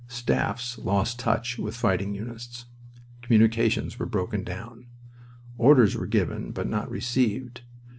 Staffs lost touch with fighting units. Communications were broken down. Orders were given but not received.